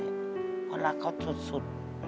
แต่ที่แม่ก็รักลูกมากทั้งสองคน